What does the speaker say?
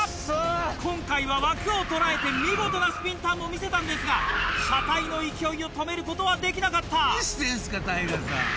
今回は枠を捉えて見事なスピンターンも見せたんですが車体の勢いを止めることはできなかった。